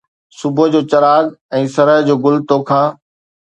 صبح جو چراغ ۽ سرءُ جو گل توکان